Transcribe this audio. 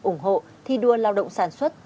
ủng hộ thi đua lao động sản xuất